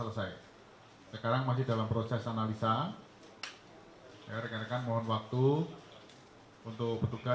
kenapa bulan puasa dianggap ramadhan dan negara dianggap sebagai waktu yang baik buat mereka